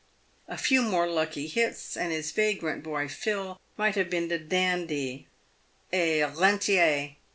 A few more lucky; hits, and his vagrant boy, Phil, might have been a dandy, a rentier.